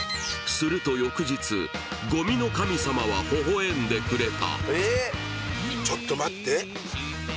すると翌日、ごみの神様は、ほほ笑んでくれた。